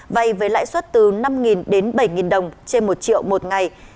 vay với lãi suất từ năm đến bảy đồng trên một triệu một ngày